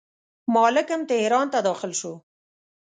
مالکم تهران ته داخل شو.